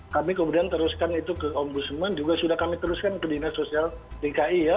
kami kemudian teruskan itu ke ombudsman juga sudah kami teruskan ke dinas sosial dki ya